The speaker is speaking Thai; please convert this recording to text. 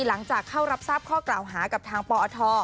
หลังจากเข้ารับทราบข้อกล่าวหากับทางปอท